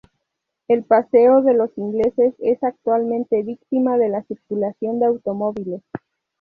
El paseo de los Ingleses es actualmente víctima de la circulación de automóviles.